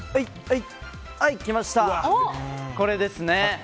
これですね。